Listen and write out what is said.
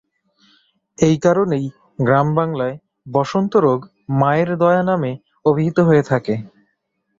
এই কারণেই গ্রামবাংলায় বসন্ত রোগ মায়ের দয়া নামে অভিহিত হয়ে থাকে।